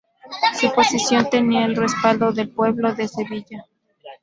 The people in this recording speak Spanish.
Su posición tenía el respaldo del pueblo de Sevilla.